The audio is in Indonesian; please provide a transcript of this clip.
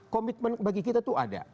komitmen bagi kita itu ada